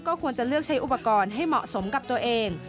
ควรจะเลือกใช้อุปกรณ์ให้เหมาะสมกับตัวเอง